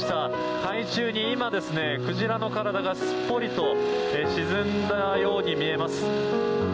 海中に今、鯨の体がすっぽりと沈んだように見えます。